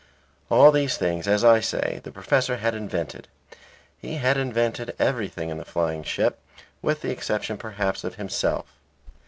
All these things, as I say, the professor had invented; he had invented everything in the flying ship, with the exception, perhaps, of himself.